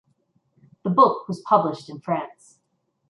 The book was published in France.